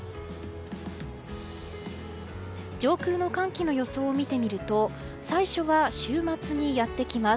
上空の寒気の予想を見てみると最初は週末にやってきます。